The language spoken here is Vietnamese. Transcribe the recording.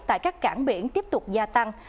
tại các cảng biển tiếp tục gia tăng